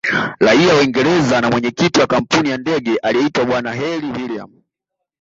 Raia wa Uingereza na Mwenyekiti wa kampuni ya ndege aliyeitwa bwana herri William